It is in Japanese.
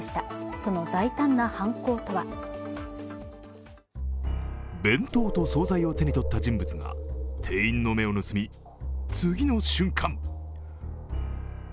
その大胆な犯行とは弁当と総菜を手に取った人物が店員の目を盗み、次の瞬間。